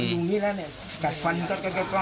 ตรงนี้แล้วเนี่ยกัดฟัน